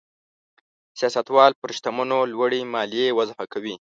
سیاستوال پر شتمنو لوړې مالیې وضع کوي.